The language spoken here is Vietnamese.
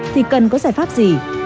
thì cần có giải pháp gì